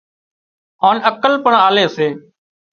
هانَ عقل پڻ آلي سي